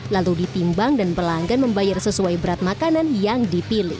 lalu ditimbang dan pelanggan membayar sesuai berat makanan yang dipilih